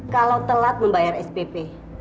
kalau telat membayar spp